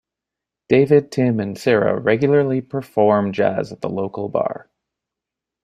David, Tim and Sarah regularly perform jazz at the local bar.